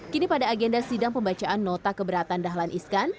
kini pada agenda sidang pembacaan nota keberatan dahlan iskan